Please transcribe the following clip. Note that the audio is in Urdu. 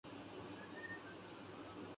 مسلئے کا شکار ہیں تو آپ مجھ سے رابطہ کر سکتے ہیں